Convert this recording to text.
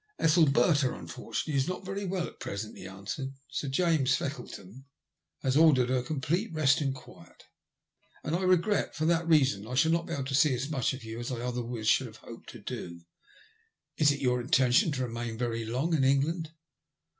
''Ethelberta unfortunately is not very well at present," he answered. ''Sir James Feckleton has ordered her complete rest and quiet, and I regret, for that reason, I shall not be able to see as much of you as I otherwise should have hoped to do. Is it your intention to remain very long in England?"